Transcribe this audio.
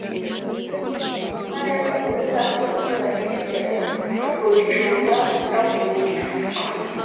uruhare mu guhitamo ibyo bashyira imbere, mu kubicunga, no kumenya